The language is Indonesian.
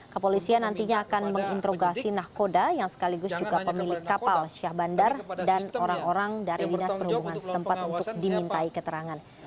kepolisian nantinya akan menginterogasi nahkoda yang sekaligus juga pemilik kapal syah bandar dan orang orang dari dinas perhubungan setempat untuk dimintai keterangan